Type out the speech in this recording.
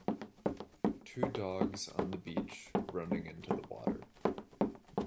Two dogs on the beach running into the water